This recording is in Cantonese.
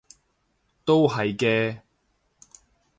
都係嘅